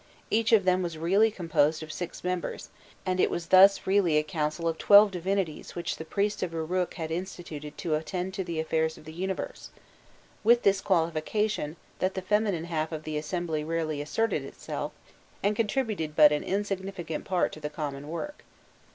Each of them was really composed of six members, and it was thus really a council of twelve divinities which the priests of Uruk had instituted to attend to the affairs of the universe; with this qualification, that the feminine half of the assembly rarely asserted itself, and contributed but an insignificant part to the common work.